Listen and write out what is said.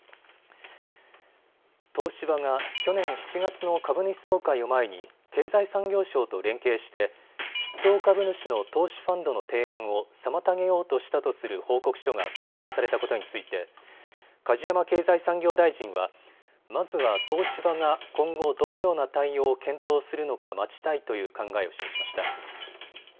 東芝が去年７月の株主総会を前に経済産業省と連携して筆頭株主の投資ファンドの提案を妨げようとしたとする報告書が公表されたことについて梶山経済産業大臣はまずは東芝が今後どのような対応を検討するのか待ちたいという考えを示しました。